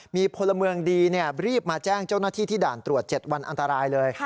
มีพลเมืองดีรีบมาแจ้งเจ้าหน้าที่ที่ด่านตรวจ๗วันอันตรายเลย